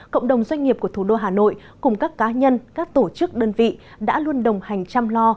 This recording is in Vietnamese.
cộng đồng doanh nghiệp của thủ đô hà nội cùng các cá nhân các tổ chức đơn vị đã luôn đồng hành chăm lo